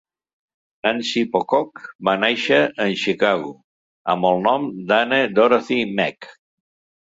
Nancy Pocock va nàixer en Chicago, amb el nom d'Anne Dorothy Meek.